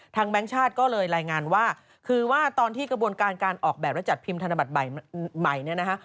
แบงค์ชาติก็เลยรายงานว่าคือว่าตอนที่กระบวนการการออกแบบและจัดพิมพ์ธนบัตรใหม่เนี่ยนะคะ